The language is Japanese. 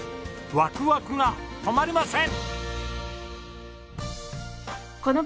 ワクワクが止まりません！